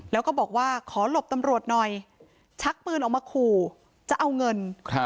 แล้วก็บอกว่าขอหลบตำรวจหน่อยชักปืนออกมาขู่จะเอาเงิน